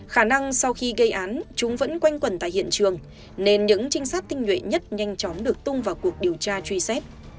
khả năng sau khi gây án chúng vẫn quanh quần tại hiện trường nên những trinh sát tinh nhuệ nhất nhanh chóng được tung vào cuộc điều tra truy xét